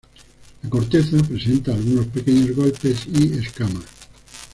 La corteza presenta algunos pequeños golpes y escamas.